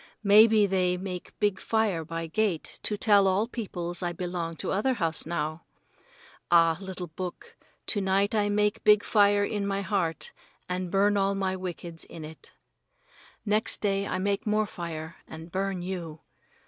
Maybe they make big fire by gate to tell all peoples I belong to other house now. Ah, little book, to night I make big fire in my heart and burn all my wickeds in it. Next day I make more fire and burn you.